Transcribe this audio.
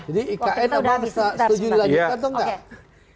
jadi ikm emang bisa setuju dilanjutkan atau enggak oke